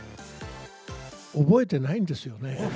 覚えてないんですよね。